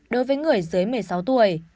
đối với người dưới một mươi sáu tuổi